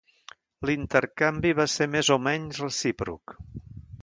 L'intercanvi va ser més o menys recíproc.